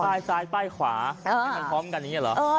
ก็ป้ายซ้ายป้ายขวาให้กันซ้อมกันอย่างนี้เหรอ